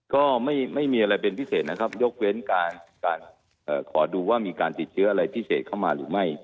ก็ไม่มีอะไรเป็นพิเศษนะครับยกเว้นการขอดูว่ามีการติดเชื้ออะไรพิเศษเข้ามาหรือไม่